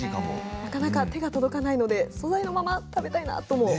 なかなか手が届かないのでそのまま食べたいなと。